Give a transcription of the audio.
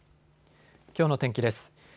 きょうの天気です。